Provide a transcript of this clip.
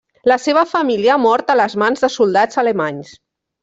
La seva família ha mort a les mans de soldats alemanys.